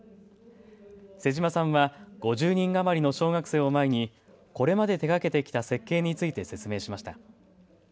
妹島さんは５０人余りの小学生を前にこれまで手がけてきた設計について説明しました。